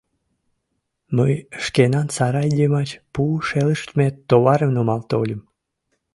Мый шкенан сарай йымач пу шелыштме товарым нумал тольым.